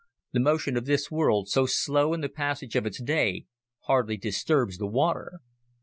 The motion of this world, so slow in the passage of its day, hardly disturbs the water."